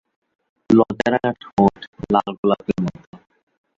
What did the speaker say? লজ্জা রাঙা লাল ঠোঁট, লাল গোলাপের মতো।